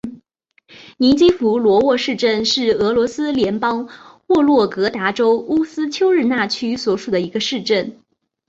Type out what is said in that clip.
尼基福罗沃市镇是俄罗斯联邦沃洛格达州乌斯秋日纳区所属的一个市镇。